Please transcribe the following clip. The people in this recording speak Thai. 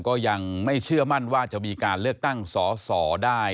ก็ยังไม่เชื่อมั่นว่าจะมีการเลือกตั้งสอสอได้